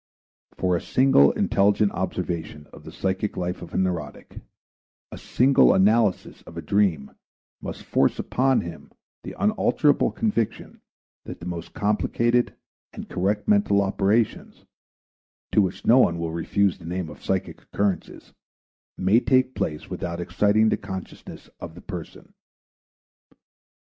For a single intelligent observation of the psychic life of a neurotic, a single analysis of a dream must force upon him the unalterable conviction that the most complicated and correct mental operations, to which no one will refuse the name of psychic occurrences, may take place without exciting the consciousness of the person.